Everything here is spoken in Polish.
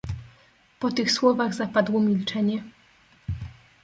"Po tych słowach zapadło milczenie."